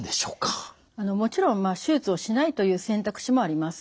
もちろん手術をしないという選択肢もあります。